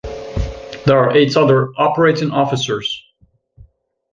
There are eight other operating officers.